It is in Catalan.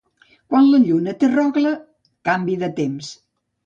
Quan la lluna té rogle, canvi de temps.